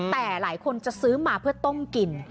แต่หลายคนจะซื้อมาเพื่อต้มกิน